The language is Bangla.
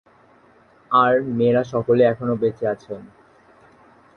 আর মেয়েরা সকলে এখনো বেঁচে আছেন।